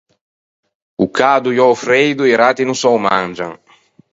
O cado e o freido i ratti no se ô mangian.